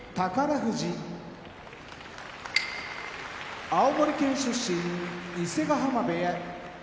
富士青森県出身伊勢ヶ濱部屋